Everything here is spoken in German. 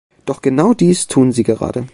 Doch genau dies tun Sie gerade.